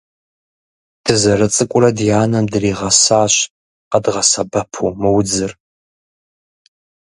Дызэрыцӏыкӏурэ ди анэм дригъэсащ къэдгъэсэбэпу мы удзыр.